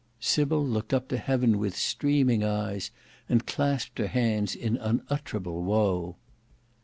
Sybil looked up to heaven with streaming eyes, and clasped her hands in unutterable woe.